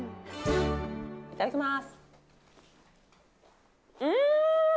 いただきます。